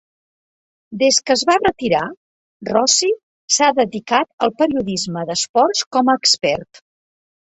Des que es va retirar, Rossi s'ha dedicat al periodisme d'esports com a expert.